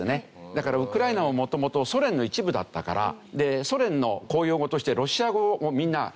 だからウクライナは元々ソ連の一部だったからソ連の公用語としてロシア語をみんな使ってたわけですね。